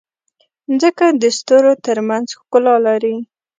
مځکه د ستورو ترمنځ ښکلا لري.